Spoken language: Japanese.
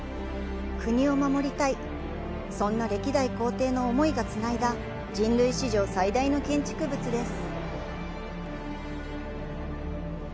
国を守りたいそんな歴代皇帝の思いがつないだ人類史上最大の建築物です。